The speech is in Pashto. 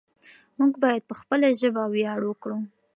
موږ بايد په خپله ژبه وياړ وکړو.